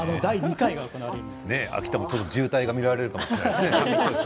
秋田で渋滞が見られるかもしれないですね。